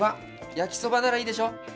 焼きそばならいいでしょ？